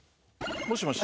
もしもし。